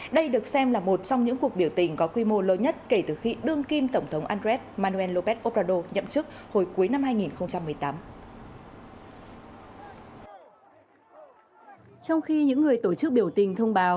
đây được xem là một trong những cuộc biểu tình có quy mô lớn nhất kể từ khi đương kim tổng thống andres manuel lópec obrador nhậm chức hồi cuối năm hai nghìn một mươi tám